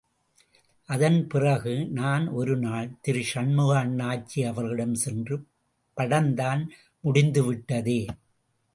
அதன் பிறகு நான் ஒரு நாள் திரு சண்முக அண்ணாச்சி அவர்களிடம் சென்று படம் தான் முடிந்துவிட்டதே.